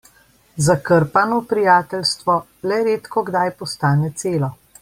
Zakrpano prijateljstvo le redkokdaj postane celo.